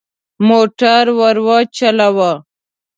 موټر ورو چلوه.